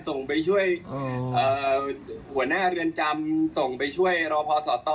ส่งไปช่วยหัวหน้าเรือนจำส่งไปช่วยรอพอสต